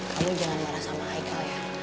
kamu jangan marah sama ichael ya